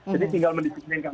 jadi tinggal mendiskriminasikan